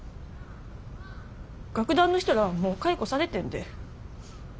楽団の人らはもう解雇されてんで。